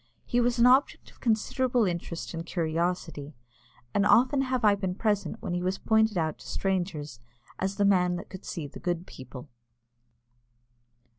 He was an object of considerable interest and curiosity, and often have I been present when he was pointed out to strangers as "the man that could see the good people."